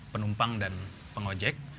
penumpang dan pengojek